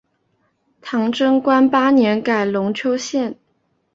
唐贞观八年改龙丘县。